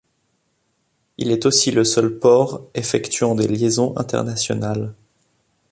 Il est aussi le seul port effectuant des liaisons internationales.